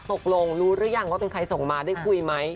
ตกลงรู้หรือยังว่าเป็นใครส่งมาได้คุยไหม